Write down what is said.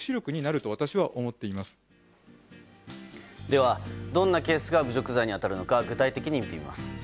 では、どんなケースが侮辱罪に当たるのか具体的に見ていきます。